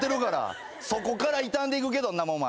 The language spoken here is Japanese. そこから傷んでいくけどんなもんお前。